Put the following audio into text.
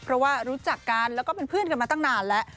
เพราะว่ารู้จักกันแล้วก็เป็นเพื่อนกันมาตั้งนานแล้ว